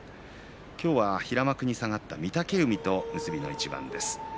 今日は平幕に下がった御嶽海と結びの一番です。